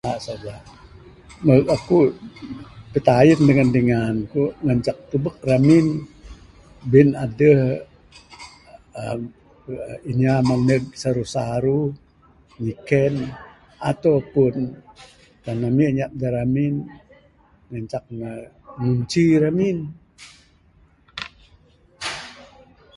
Aku pitayen dangan dingan ku ngancak tubek ramin bin adeh aaa inya maneg saruh saruh nyiken ato pun kan ami nyap da ramin, ngancak ne ngunci ramin.